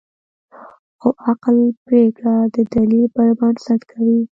خو عقل پرېکړه د دلیل پر بنسټ کوي.